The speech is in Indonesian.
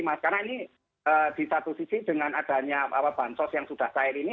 karena ini di satu sisi dengan adanya bansos yang sudah selain ini